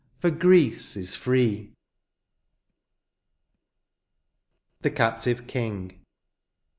For Greece is free ! THE CAPTIVE KING.